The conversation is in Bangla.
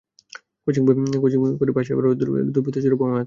কোচিং করে বাসায় ফেরার সময় বঙ্গবাজার এলাকায় দুর্বৃত্তদের ছোড়া বোমায় আহত হয়।